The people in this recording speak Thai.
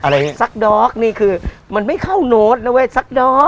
รับสักดอกนี่คือไม่เว้นโจทย์นะ